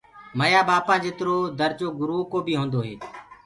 ميآ ٻآپآ جِترو درجو گُروئو ڪو بي هوندو هي،